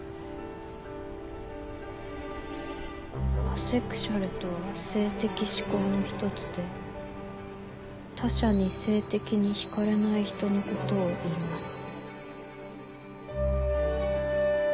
「アセクシュアルとは性的指向の一つで他者に性的に惹かれない人のことをいいます」。